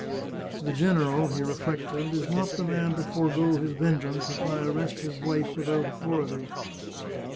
" The general," he re flected, " is not the man to forego his vengeance if I arrest his wife without authority."